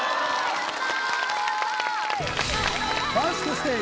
やった！